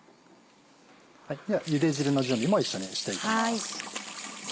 ではゆで汁の準備も一緒にしていきます。